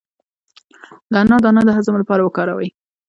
د انار دانه د هضم لپاره وکاروئ